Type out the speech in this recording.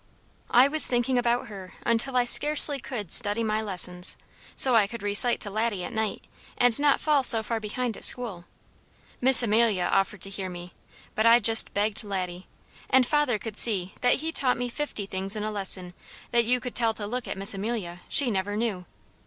I was thinking about her until I scarcely could study my lessons, so I could recite to Laddie at night, and not fall so far behind at school. Miss Amelia offered to hear me, but I just begged Laddie, and father could see that he taught me fifty things in a lesson that you could tell to look at Miss Amelia, she never knew.